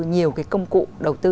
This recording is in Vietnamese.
nhiều cái công cụ đầu tư